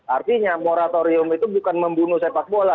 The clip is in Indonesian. artinya moratorium itu bukan membunuh sepak bola